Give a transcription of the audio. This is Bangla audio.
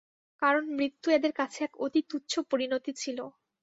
কারণ মৃত্যু এদের কাছে এক অতি তুচ্ছ পরিণতি ছিল।